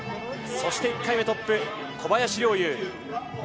そして１回目トップ、小林陵侑。